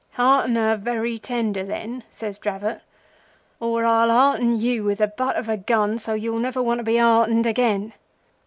"'Hearten her very tender, then,' says Dravot, 'or I'll hearten you with the butt of a gun so that you'll never want to be heartened again.